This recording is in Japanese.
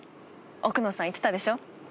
奥野さん言ってたでしょ？